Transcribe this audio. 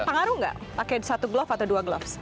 pengaruh nggak pakai satu glove atau dua gloves